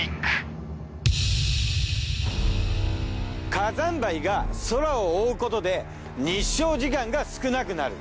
火山灰が空を覆うことで日照時間が少なくなる。